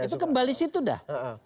itu kembali situ dah